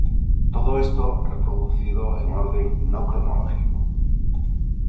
Todo esto reproducido en orden no cronológico.